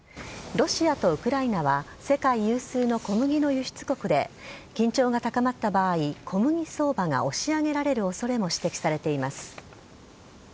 ロシアとウクライナは世界有数の小麦の輸出国で緊張が高まった場合、小麦相場が押し上げられるおそれも指摘されています。